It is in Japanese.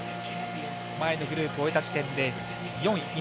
前のグループを終えた時点で４位。